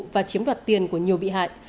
và chiếm đoạt tiền của nhiều bị hại